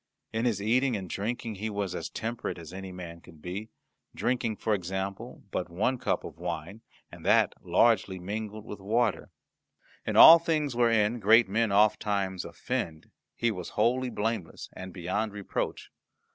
In his eating and drinking he was as temperate as man could be, drinking, for example, but one cup of wine, and that largely mingled with water. In all things wherein great men ofttimes offend he was wholly blameless and beyond reproach.